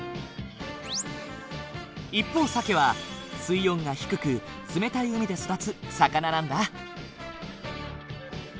一方サケは水温が低く冷たい海で育つ魚なんだ。